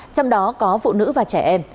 trong đó có phụ nữ và trẻ em